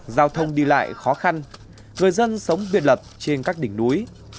giao thông đi lại khó khăn người dân sống biệt lập trên các đỉnh núi